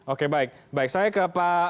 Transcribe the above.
oke baik saya ke